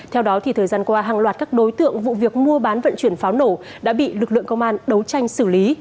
theo đó thời gian qua hàng loạt các đối tượng vụ việc mua bán vận chuyển pháo nổ đã bị lực lượng công an đấu tranh xử lý